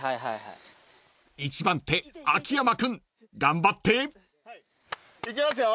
［１番手秋山君頑張って］いきますよ。